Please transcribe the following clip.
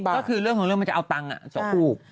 ก็คือเรื่องของเรื่องมันจะเอาตังค์๒ลูก